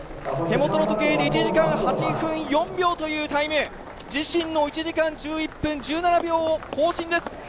手元の時計で１時間８分４秒というタイム自身の１時間１１分１７秒を更新です。